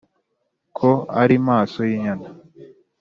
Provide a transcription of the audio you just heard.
ko ari maso y'inyana